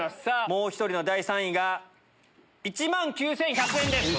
もう１人の第３位が１万９１００円です。